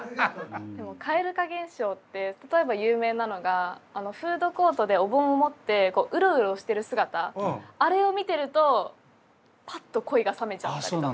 蛙化現象って例えば有名なのがフードコートでおぼんを持ってウロウロしてる姿あれを見てるとパッと恋が冷めちゃったりとか。